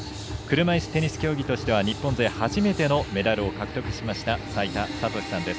車いすテニス競技としては日本勢初めてのメダルを獲得しました齋田悟司さんです。